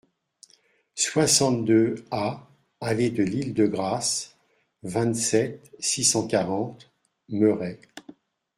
soixante-deux A allée de l'Île de Grâce, vingt-sept, six cent quarante, Merey